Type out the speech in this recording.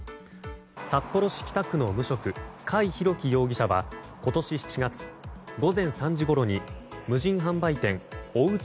札幌市北区の無職甲斐紘樹容疑者は今年７月午前３時ごろに、無人販売店おウチ